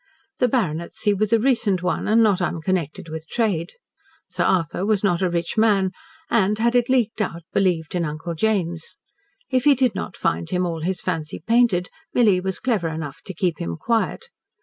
The baronetcy was a recent one, and not unconnected with trade. Sir Arthur was not a rich man, and, had it leaked out, believed in Uncle James. If he did not find him all his fancy painted, Milly was clever enough to keep him quiet.